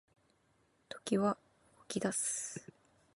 時は動き出す